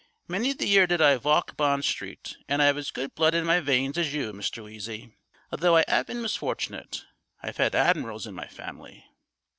"Many the year did I valk Bond Street, and I 'ave as good blood in my weins as you, Mr. Heasy, although I 'ave been misfortunate. I've had hadmirals in my family."